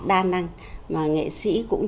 đa năng mà nghệ sĩ cũng